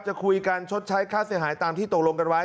จะคุยกันชดใช้ค่าเสียหายตามที่ตกลงกันไว้